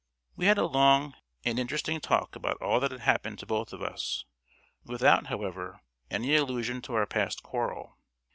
We had a long and interesting talk about all that had happened to both of us, without, however, any allusion to our past quarrel.